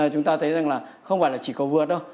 chúng ta thấy rằng là không phải là chỉ cầu vượt đâu